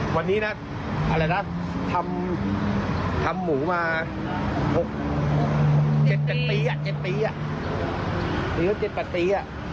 วันนี้นะทำหมูมา๗๘ปี